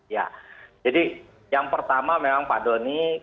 ya jadi yang pertama memang pak doni